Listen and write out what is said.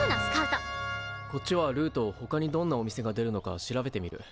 こっちはルーとほかにどんなお店が出るのか調べてみる。